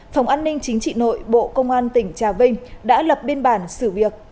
phòng an ninh chính trị nội bộ công an tỉnh trà vinh đã lập biên bản xử việc